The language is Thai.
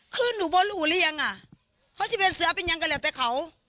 คือหนูบ่หรูหรือยังอ่ะเขาจะเป็นเสือเป็นยังก็แล้วแต่เขา